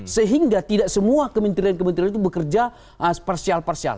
sehingga tidak semua kementerian kementerian itu bekerja spesial spesial